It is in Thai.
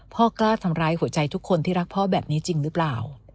กล้าทำร้ายหัวใจทุกคนที่รักพ่อแบบนี้จริงหรือเปล่า